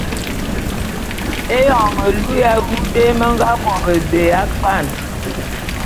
Éyon melu ya awu dé me nga bo bébé ya kpwan.